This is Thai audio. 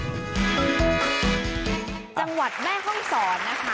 จังหวัดแม่ห้องสอน